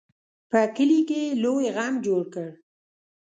په کلي کې یې لوی غم جوړ کړ.